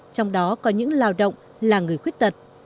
trong đó có những lao động là người khuyết tật